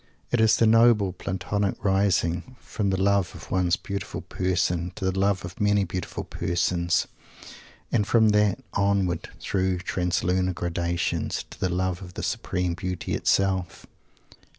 It is the noble Platonic rising from the love of one beautiful person to the love of many beautiful persons; and from that onward, through translunar gradations, to the love of the supreme Beauty itself.